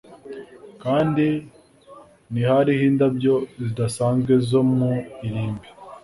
Kandi ntihariho indabyo zidasanzwe zo mu irimbi